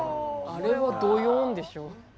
あれはどよんでしょ。